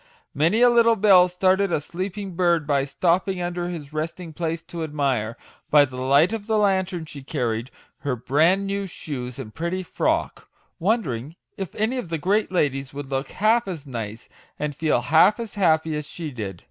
Many a little belle startled a sleeping bird by stop ping under his resting place to admire, by the light of the lantern she carried, her bran new shoes and pretty frock, wondering if any of the great ladies would look half as nice, and feel half as happy as she did.